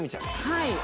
はい。